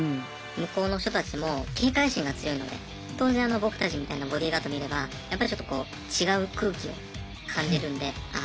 向こうの人たちも警戒心が強いので当然僕たちみたいなボディーガード見ればやっぱりちょっとこう違う空気を感じるんでああ